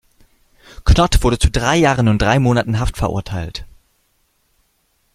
Knott wurde zu drei Jahren und drei Monaten Haft verurteilt.